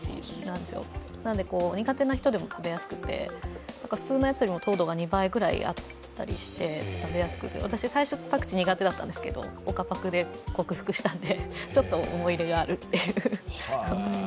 ですので苦手な人でも食べやすくて、普通のやつよりも糖度が２倍くらいあって食べやすくて、最初パクチー苦手だったんですけど岡パクで克服してちょっと思い入れがあるという。